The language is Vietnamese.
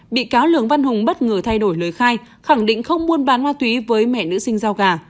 bị cáo lương văn hùng bất ngờ thay đổi lời khai khẳng định không muốn bán hoa túy với mẹ nữ sinh giao gà